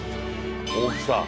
大きさ。